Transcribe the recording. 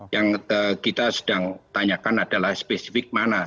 yang kita sedang tanyakan adalah spesifik mana